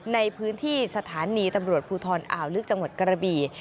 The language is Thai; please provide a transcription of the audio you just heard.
ในพื้นที่สถานีตำรวจภูทรอ่าวลึกจังหวัดกระบี่